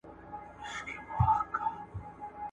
په پای کي شپږمه ورځ هم بې پايلې تېريږي.